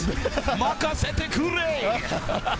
任せてくれ！